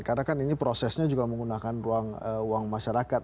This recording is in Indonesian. karena kan ini prosesnya juga menggunakan ruang uang masyarakat